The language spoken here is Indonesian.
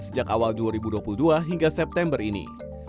sejak awal dua ribu dua puluh dua hingga september ini